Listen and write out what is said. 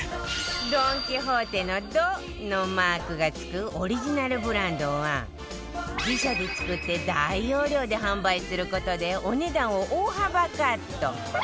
ドン・キホーテの「ド」のマークが付くオリジナルブランドは自社で作って大容量で販売する事でお値段を大幅カット